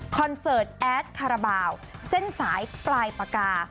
เสิร์ตแอดคาราบาลเส้นสายปลายปากกา